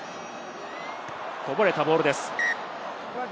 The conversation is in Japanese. こぼれたボールです。